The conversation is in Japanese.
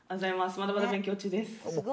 まだまだ勉強中です。